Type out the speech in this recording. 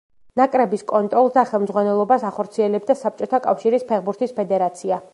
ნაკრების კონტროლს და ხელმძღვანელობას ახორციელებდა საბჭოთა კავშირის ფეხბურთის ფედერაცია.